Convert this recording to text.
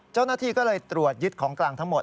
เจ้าหน้าที่ก็เลยตรวจยึดของกลางทั้งหมด